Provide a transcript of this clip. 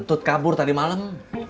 tut kabur tadi malem